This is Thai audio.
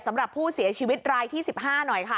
สำหรับผู้เสียชีวิตรายที่๑๕หน่อยค่ะ